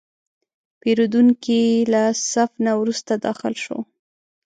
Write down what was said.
پیرودونکی له صف نه وروسته داخل شو.